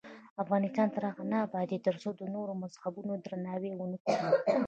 افغانستان تر هغو نه ابادیږي، ترڅو د نورو مذهبونو درناوی ونکړو.